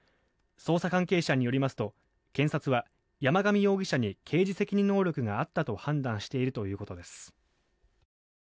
捜査関係者によりますと検察は山上容疑者に刑事責任能力があったと判断しているということです。